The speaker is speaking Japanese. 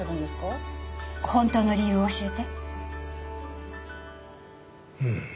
本当の理由を教えて。